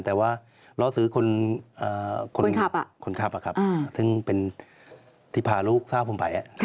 แต่ว่าล้อซื้อคนขับซึ่งเป็นที่พาลูกทราบผมไป